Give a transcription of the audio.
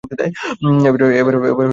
এবার রিল্যাক্স করতে পারেন।